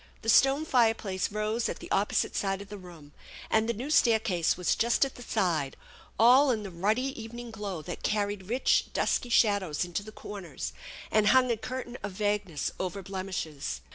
The stone fireplace rose at the opposite side of the room, and the new staircase was just at the side, all in the ruddy evening glow that carried rich dusky shadows into the corners, and hung a curtain of vague ness over blemishes.